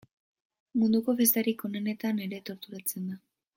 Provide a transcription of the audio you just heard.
Munduko festarik onenetan ere torturatzen da.